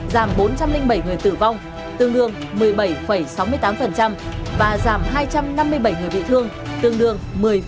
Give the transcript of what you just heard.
giảm bốn trăm linh bảy người tử vong tương đương một mươi bảy sáu mươi tám và giảm hai trăm năm mươi bảy người bị thương tương đương một mươi